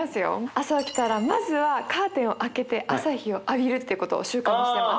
朝起きたらまずはカーテンを開けて朝日を浴びるってことを習慣にしてます。